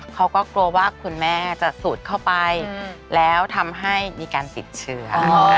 เขาก็กลัวว่าคุณแม่จะสูดเข้าไปแล้วทำให้มีการติดเชื้อ